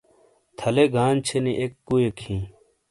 تھلے گانچھے نی اک کوئیک ہیں۔